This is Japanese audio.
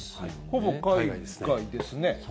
ほぼ海外ですね。